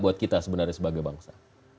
buat kita sebenarnya sebagai bangsa